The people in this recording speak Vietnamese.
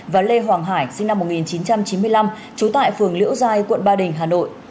và lê hoàng hải sinh năm một nghìn chín trăm chín mươi năm trú tại phường liễu giai quận ba đình hà nội